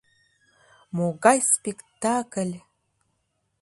— Могай спектакль!